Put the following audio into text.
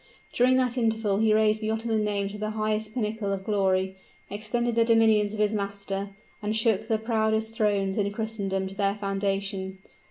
During that interval he raised the Ottoman name to the highest pinnacle of glory extended the dominions of his master and shook the proudest thrones in Christendom to their foundation.